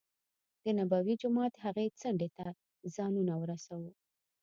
دنبوي جومات هغې څنډې ته ځانونه ورسو.